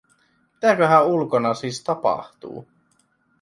Mitäköhän ulkona siis tapahtuu.